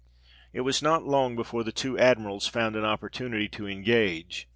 It was not long before the two Admirals found an opportunity to engage.